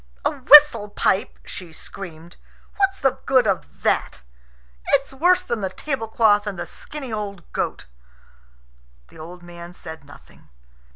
"A whistle pipe!" she screamed. "What's the good of that? It's worse than the tablecloth and the skinny old goat." The old man said nothing.